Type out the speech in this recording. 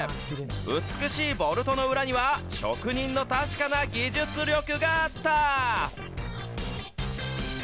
美しいボルトの裏には、職人の確かな技術力があった。